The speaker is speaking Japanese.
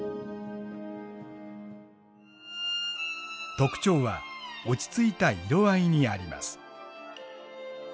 特徴は落ち着いた色合いにあります。